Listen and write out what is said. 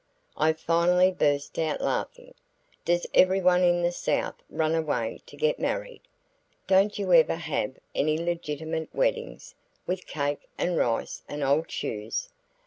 I finally burst out laughing. "Does everyone in the South run away to get married? Don't you ever have any legitimate weddings with cake and rice and old shoes?"